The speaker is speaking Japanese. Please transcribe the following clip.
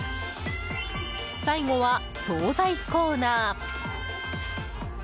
最後は総菜コーナー。